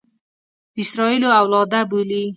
د اسراییلو اولاده بولي.